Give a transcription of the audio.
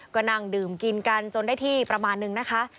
ก็นั่งดื่มกินกันจนได้ที่ประมาณนึงนะคะ